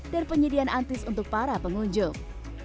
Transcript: dan penyediaan antis untuk para pengunjung